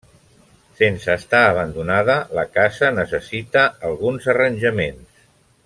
Sense estar abandonada la casa necessita alguns arranjaments.